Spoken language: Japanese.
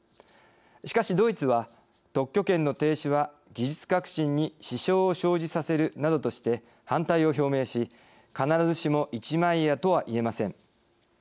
しかしドイツは特許権の停止は技術革新に支障を生じさせるなどとして反対を表明し必ずしも一枚岩とはいえません。